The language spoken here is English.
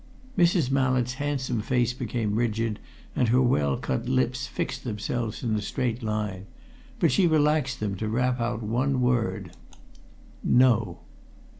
Mrs. Mallett's handsome face became rigid, and her well cut lips fixed themselves in a straight line. But she relaxed them to rap out one word. "No!"